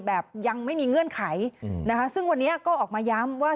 แบบยังไม่มีเงื่อนไขนะคะซึ่งวันนี้ก็ออกมาย้ำว่า